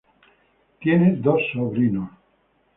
Él tiene dos sobrinos.